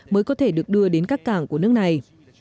mới có thể được đưa đến các cảng của nước này